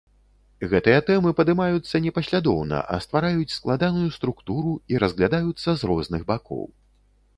Гэтыя тэмы падымаюцца не паслядоўна, а ствараюць складаную структуру і разглядаюцца з розных бакоў.